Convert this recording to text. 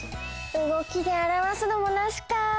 うごきであらわすのもナシか。